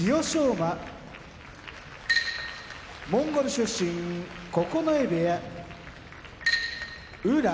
馬モンゴル出身九重部屋宇良